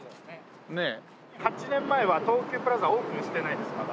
８年前は東急プラザオープンしてないですまだ。